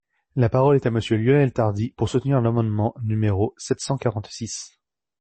La parole est à Monsieur Lionel Tardy, pour soutenir l’amendement numéro sept cent quarante-six.